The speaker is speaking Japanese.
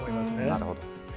なるほど。